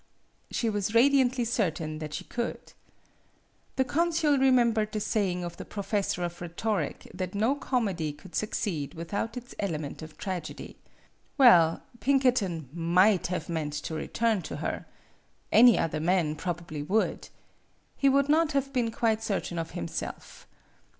She was radiantly certain that she could. The consul remembered the saying of the professor of rhetoric that no comedy could succeed without its element of tragedy. Well, Pinkerton might have meant to re turn to her. Any other man probably would. He would not have been quite cer tain of himself.